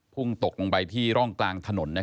พุ่งตกลงไปที่ร่องกลางถนน